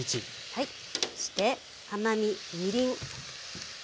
そして甘みみりん。